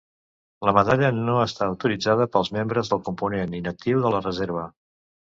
La medalla no està autoritzada pels membres del component inactiu de la reserva.